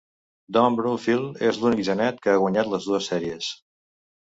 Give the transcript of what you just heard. Don Brumfield és l'únic genet que ha guanyat les dues sèries.